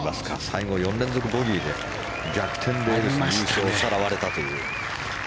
最後４連続ボギーで逆転でエルスに優勝をさらわれたという。